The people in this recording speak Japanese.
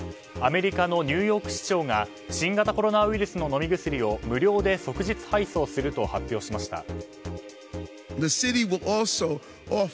アメリカのニューヨーク市長が新型コロナウイルスの飲み薬を無料で即日配送すると発表しました。